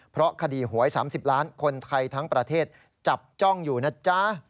เพราะคดีหวย๓๐ล้านคนไทยทั้งประเทศจับจ้องอยู่นะจ๊ะ